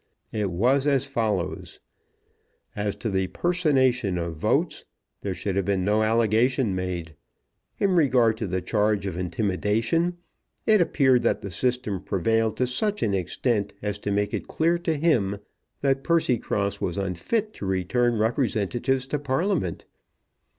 It was as follows: As to the personation of votes, there should have been no allegation made. In regard to the charge of intimidation it appeared that the system prevailed to such an extent as to make it clear to him that Percycross was unfit to return representatives to Parliament.